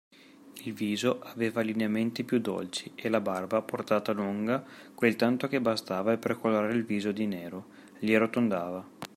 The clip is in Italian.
Il viso aveva lineamenti più dolci, e la barba, portata lunga quel tanto che bastava per colorare il viso di nero, li arrotondava.